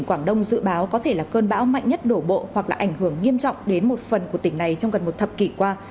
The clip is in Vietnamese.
cơ quan đường sắt quảng đông dự báo có thể là cơn bão mạnh nhất đổ bộ hoặc là ảnh hưởng nghiêm trọng đến một phần của tỉnh này trong gần một thập kỷ qua